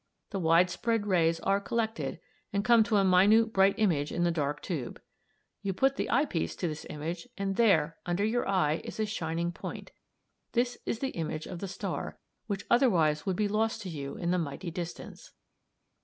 The widespread rays are collected and come to a minute bright image in the dark tube. You put the eye piece to this image, and there, under your eye, is a shining point: this is the image of the star, which otherwise would be lost to you in the mighty distance.